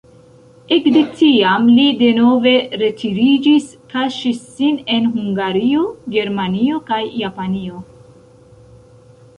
Ekde tiam li denove retiriĝis, kaŝis sin en Hungario, Germanio kaj Japanio.